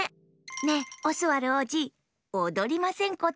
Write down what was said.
ねえオスワルおうじおどりませんこと？